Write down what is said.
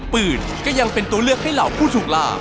ปืนก็ยังเป็นตัวเลือกให้เหล่าผู้ถูกลา